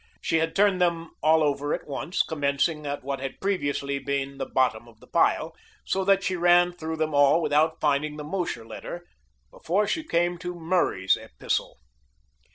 She had turned them all over at once, commencing at what had previously been the bottom of the pile, so that she ran through them all without finding the Mosher letter before she came to Murray's epistle.